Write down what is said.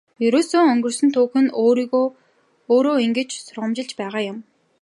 Ерөөсөө өнгөрсөн түүх нь өөрөө ингэж сургамжилж байгаа юм.